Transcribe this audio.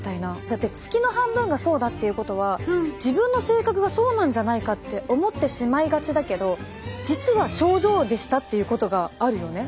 だって月の半分がそうだっていうことは自分の性格がそうなんじゃないかって思ってしまいがちだけど実は症状でしたっていうことがあるよね。